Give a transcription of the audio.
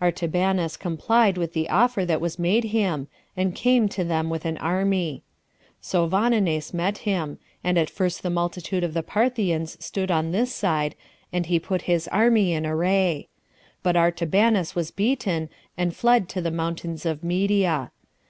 Artabanus complied with the offer that was made him, and came to them with an army. So Vonones met him; and at first the multitude of the Parthians stood on this side, and he put his army in array; but Artabanus was beaten, and fled to the mountains of Media.